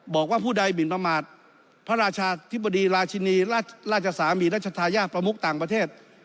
บอกว่าผู้ใดหมินประมาทพระราชาธิบดีราชินีราชสามีรัชทายาทประมุกต่างประเทศ